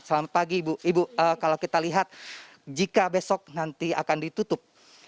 selamat pagi ibu ibu kalau kita lihat jika besok nanti akan ditutup